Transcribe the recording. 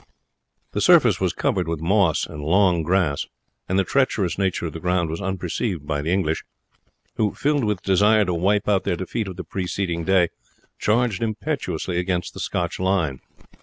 The surface was covered with moss and long grass, and the treacherous nature of the ground was unperceived by the English, who, filled with desire to wipe out their defeat of the preceding day, charged impetuously against the Scotch line.